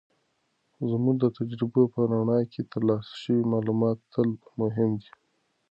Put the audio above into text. زموږ د تجربو په رڼا کې، ترلاسه شوي معلومات تل مهم دي.